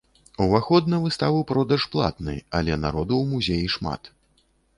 Уваход на выставу-продаж платны, але народу ў музеі шмат.